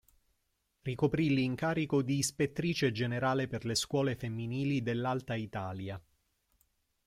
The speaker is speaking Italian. Ricoprì l’incarico di Ispettrice Generale per le scuole femminili dell'Alta Italia.